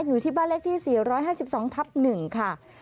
อยู่ที่บ้านเลขที่๔๕๒ทับ๑ค่ะ